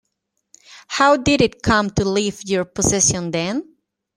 How did it come to leave your possession then?